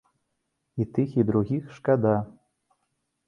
І тых, і другіх шкада.